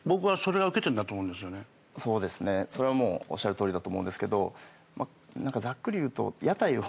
そうですねそれはもうおっしゃるとおりだと思うんですけどざっくり言うと。